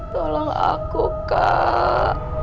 tolong aku kak